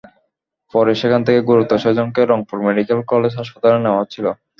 পরে সেখান থেকে গুরুতর ছয়জনকে রংপুর মেডিকেল কলেজ হাসপাতালে নেওয়া হচ্ছিল।